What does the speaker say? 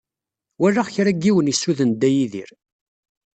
Walaɣ kra n yiwen isuden Dda Yidir.